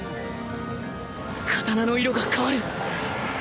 刀の色が変わる